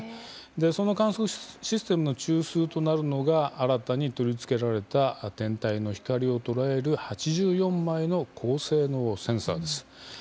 その観測システムの中枢となるのが新たに取り付けられた天体の光を捉える８４枚の高性能センサーです。